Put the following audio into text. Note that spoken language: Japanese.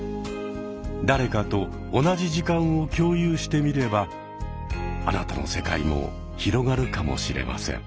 誰かと同じ時間を共有してみればあなたの世界も広がるかもしれません。